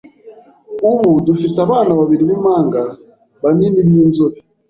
Ubu dufite abana babiri b’impanga banini b’inzobe